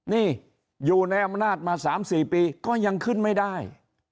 นี่อยู่ในอำนาจมา๓๔ปีก็ยังขึ้นไม่ได้